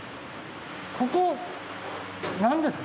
ここ何ですか？